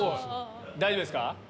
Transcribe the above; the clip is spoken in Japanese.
大丈夫ですか？